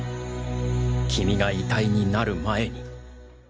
君が遺体になる前に。